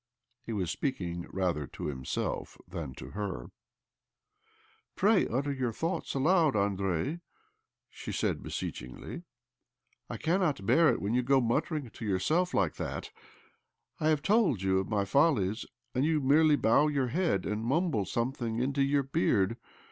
He was speaking rather to himself than to her, " Pray utter your thoughts aloud, Andrei," OBLOMOV 257 she said beseechingly. " I cannot bear it when you go muttering to yourself like that. I have told you of my follies, and you merely bow your head and mumble something into your beard.